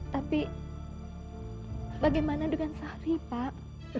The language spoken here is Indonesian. tapi bagaimana dengan sehari pak